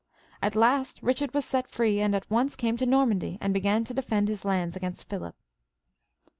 At last Bichard was set free, and at once came to Normandy and began to defend his lands against Philip.